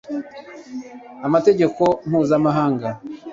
amategeko mpuzamahanga